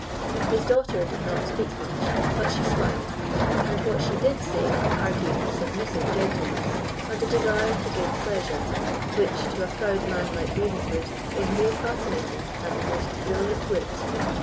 His daughter did not speak much, but she smiled; and what she did say argued a submissive gentleness, and a desire to give pleasure, which, to a proud man like Ravenswood, was more fascinating than the most brilliant wit.